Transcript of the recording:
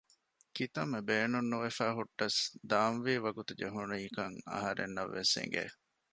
ކިތަންމެ ބޭނުން ނުވެފައި ހުއްޓަސް ދާން ވީ ވަގުތު ޖެހުނީކަން އަހަރެންނަށް ވެސް އެނގެ